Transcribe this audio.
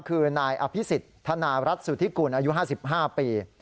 คือนายอภิษฎธนารัฐสุธิกุลอายุ๕๕ปี